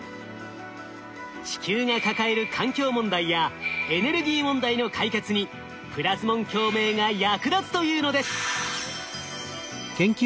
地球が抱える環境問題やエネルギー問題の解決にプラズモン共鳴が役立つというのです。